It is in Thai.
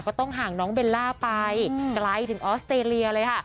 ก็ต้องห่างน้องเบลล่าไปไกลถึงออสเตรเลียเลยค่ะ